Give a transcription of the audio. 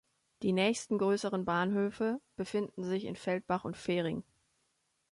Die nächsten größeren Bahnhöfe befinden sich in Feldbach und Fehring.